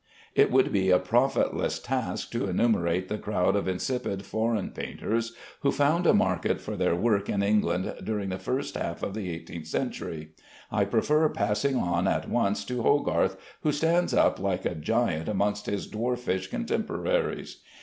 It would be a profitless task to enumerate the crowd of insipid foreign painters who found a market for their work in England during the first half of the eighteenth century. I prefer passing on at once to Hogarth, who stands up like a giant amongst his dwarfish contemporaries.